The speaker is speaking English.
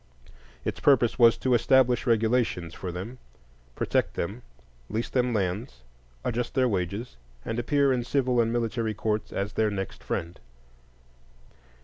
Its purpose was to "establish regulations" for them, protect them, lease them lands, adjust their wages, and appear in civil and military courts as their "next friend."